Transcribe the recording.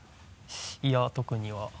いや特には。